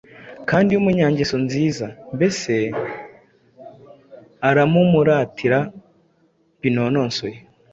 kandi w'umunyangeso nziza. Mbese aramumuratira binonosoye.